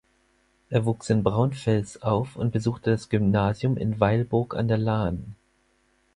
Er wuchs in Braunfels auf und besuchte das Gymnasium in Weilburg an der Lahn.